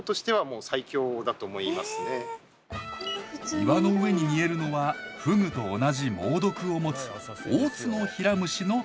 岩の上に見えるのはフグと同じ猛毒を持つオオツノヒラムシの卵。